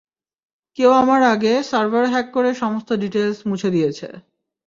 কেউ আমার আগে সার্ভার হ্যাক করে সমস্ত ডিটেইলস মুছে দিয়েছে।